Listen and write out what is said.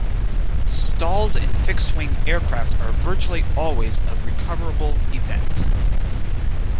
Stalls in fixed-wing aircraft are virtually always a recoverable event.